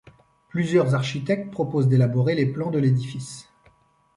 Plusieurs architectes proposent d'élaborer les plans de l'édifice.